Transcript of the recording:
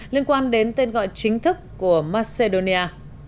liên quan đến tên gọi chính thức của macedonia